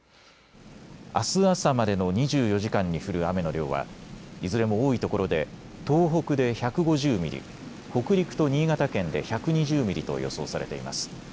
あす朝までの２４時間に降る雨の量はいずれも多いところで東北で１５０ミリ、北陸と新潟県で１２０ミリと予想されています。